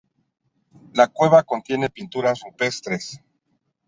La cueva contiene pinturas rupestres.